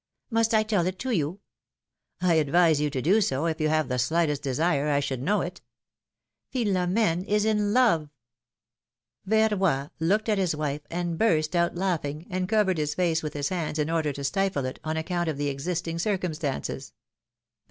Must I tell it to you ?" I advise you to do so, if you have the slightest desire I should know it." thilomene's marriages. 265 Philom^ne is in love !" Verroy looked at his wife and burst out laughing, and covered his face with his hands in order to stifle it, on account of the existing circumstances.